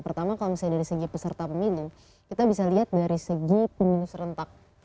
pertama kalau misalnya dari segi peserta pemilu kita bisa lihat dari segi pemilu serentak